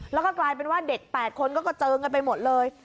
แล้วก็กลายเป็นว่าเด็ก๘คนก็กระเจิงกันไปหมดเลย